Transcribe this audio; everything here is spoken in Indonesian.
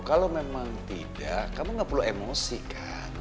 kalau memang tidak kamu nggak perlu emosi kan